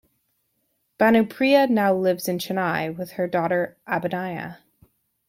Bhanupriya now lives in Chennai with her daughter Abhinaya.